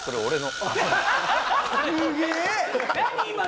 すげえ！